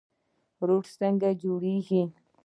روټ څنګه جوړیږي؟